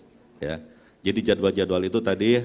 jadi itu adalah jadwal jadwal itu tadi